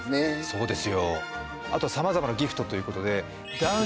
そうです